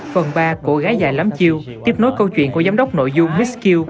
phần ba của gái già lắm chiêu tiếp nối câu chuyện của giám đốc nội dung miss q